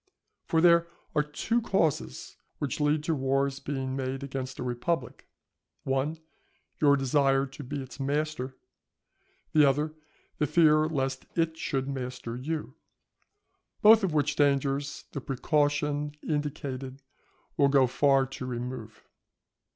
For there are two causes which lead to wars being made against a republic; one, your desire to be its master, the other the fear lest it should master you; both of which dangers the precaution indicated will go far to remove.